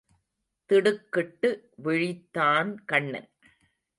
திடுக்கிட்டு விழித்தான் கண்ணன்.